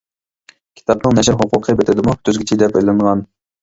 كىتابنىڭ نەشر ھوقۇقى بېتىدىمۇ «تۈزگۈچى» دەپ ئېلىنغان.